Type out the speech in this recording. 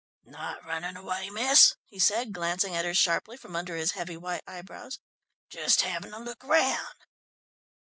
"Not runnin' away, miss," he said, glancing at her sharply from under his heavy white eyebrows. "Just havin' a look round!"